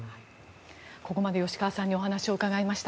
ここまで吉川さんにお話を伺いました。